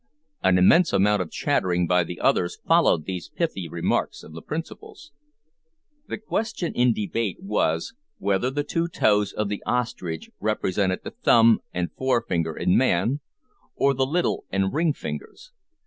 An immense amount of chattering by the others followed these pithy remarks of the principals. The question in debate was, Whether the two toes of the ostrich represented the thumb and forefinger in man, or the little and ring fingers?